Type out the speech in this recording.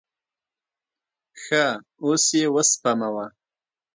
ښه، اوس یی وسپموه